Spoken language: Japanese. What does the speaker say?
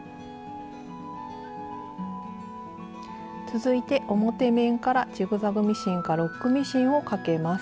続いて表面からジグザグミシンかロックミシンをかけます。